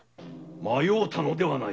迷うたのではない。